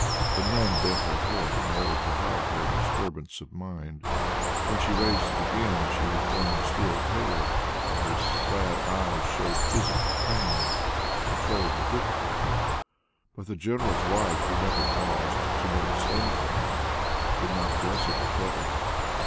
The nun bent her head in order to hide her disturbance of mind. When she raised it again, she had grown still paler, and her sad eyes showed physical pain controlled with difficulty. But the general's wife, who never paused to notice anything, did not guess at her trouble.